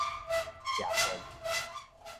食電